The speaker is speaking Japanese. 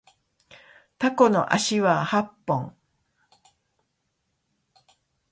タコの足は八本